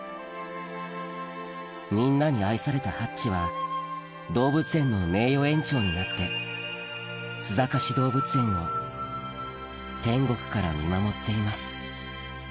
みんなに愛されたハッチは動物園の名誉園長になって須坂市動物園を天国から見守っています